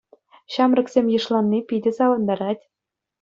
Ҫамрӑксем йышланни питӗ савӑнтарать.